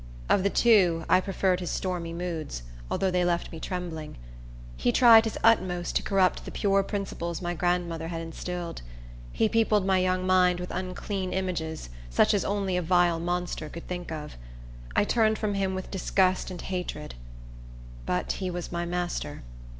Of the two, I preferred his stormy moods, although they left me trembling. He tried his utmost to corrupt the pure principles my grandmother had instilled. He peopled my young mind with unclean images, such as only a vile monster could think of. I turned from him with disgust and hatred. But he was my master.